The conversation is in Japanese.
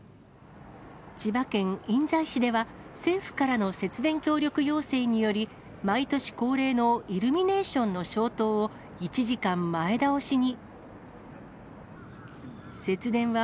千葉県印西市では、政府からの節電協力要請により、毎年恒例のイルミネーションの消灯を、１時間前倒しに。